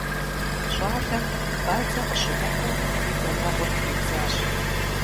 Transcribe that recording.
ЩӀалэм бадзэ къыщымыхъуу и бэнэгъур тридзащ.